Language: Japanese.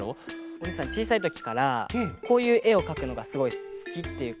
おにいさんちいさいときからこういうえをかくのがすごいすきっていうか。